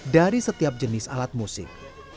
dari setiap jenis alat musik